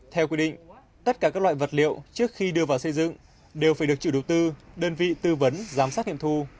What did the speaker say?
theo quy định tất cả các loại vật liệu trước khi đưa vào xây dựng đều phải được chủ đầu tư đơn vị tư vấn giám sát nghiệm thu